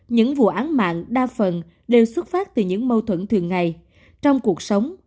những vụ án mạng đa phần đều xuất phát từ những mâu thuẫn thường ngày trong cuộc sống